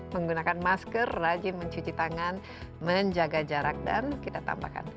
menggunakan masker rajin mencuci tangan menjaga jarak dan kita tambahkan